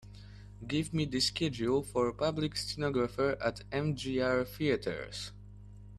Give me the schedule for Public Stenographer at MJR Theatres